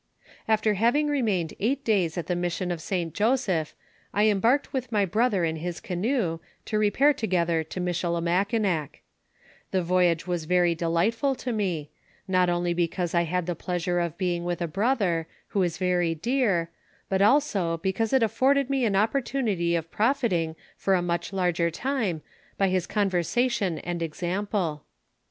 "After having remained eight days at the mission of St Joseph, I embarked with my brother in his canoe, to repair together to Michilimakinaa The voyage was very delightful to me, not only because I had the pleasure of being with a brother, who is very dear, but also because it afforded me an opportunity of profiting for a much longer time by his conversation and example.